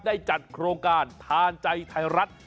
ได้จัดโครงการทานใจไทยรัฐ